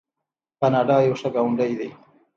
کاناډا یو ښه ګاونډی دی.